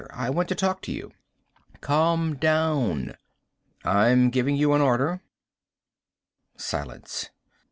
I want to talk to you." "Come down." "I'm giving you an order." Silence.